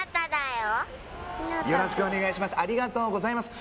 よろしくお願いします